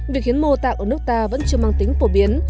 việc hiến mô tạng ở nước ta vẫn chưa mang tính phổ biến